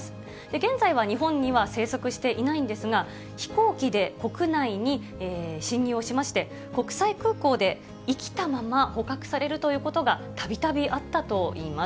現在は日本には生息していないんですが、飛行機で国内に侵入をしまして、国際空港で生きたまま捕獲されるということが、たびたびあったといいます。